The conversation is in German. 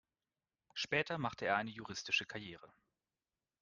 Später machte er eine juristische Karriere.